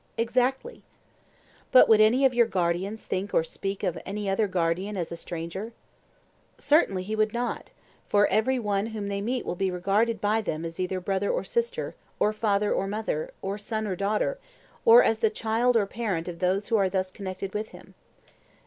Exactly. But would any of your guardians think or speak of any other guardian as a stranger? Certainly he would not; for every one whom they meet will be regarded by them either as a brother or sister, or father or mother, or son or daughter, or as the child or parent of those who are thus connected with him.